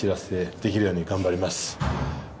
できるように頑張ります。